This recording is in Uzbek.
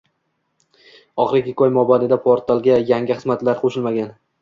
Oxirgi ikki oy mobaynida portalga yangi xizmatlar qo'shilmagan